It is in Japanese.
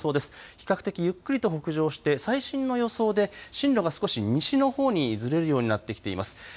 比較的ゆっくりと北上して最新の予想で進路が少し西のほうにずれるようになってきています。